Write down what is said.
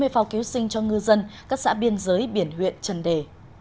hai mươi phao cứu sinh cho ngư dân các xã biên giới biển huyện trần đề